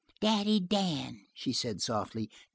"Daddy Dan," she said softly.